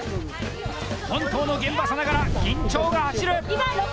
本当の現場さながら、緊張がはしる。